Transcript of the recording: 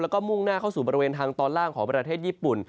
แล้วก็มุ่งหน้าเข้าสู่บริเวณทางตอนล่างของประเทศญี่ปุ่น